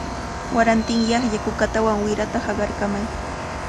Warantinyaqlla kukatawan wirata haqarkamay.